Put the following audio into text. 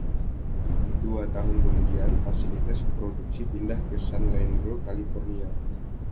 Dua tahun kemudian, fasilitas produksi pindah ke San Leandro, California.